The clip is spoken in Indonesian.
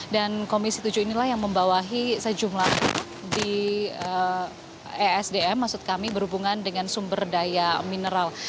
dan komisi tujuh inilah yang membawahi sejumlah di esdm maksud kami berhubungan dengan sumber daya mineral